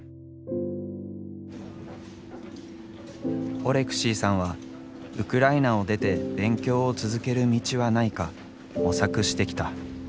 オレクシーさんはウクライナを出て勉強を続ける道はないか模索してきた。